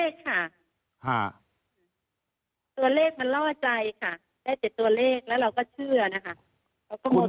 ได้แต่ตัวเลขแล้วเราก็เชื่อนะคะ